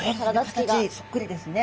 形そっくりですね。